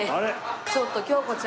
ちょっと恭子ちゃん。